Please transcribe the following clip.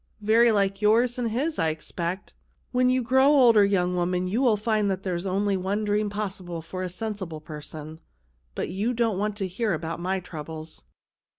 " Very like yours and his, I expect ; when you grow older, young woman, you'll find there's really only one dream possible for a sensible person. But you don't want to hear about my troubles.